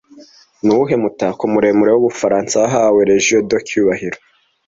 Nuwuhe mutako muremure wubufaransa wahawe Legion de Cyubahiro